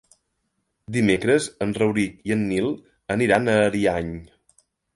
Dimecres en Rauric i en Nil aniran a Ariany.